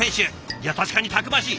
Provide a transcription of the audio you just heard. いや確かにたくましい。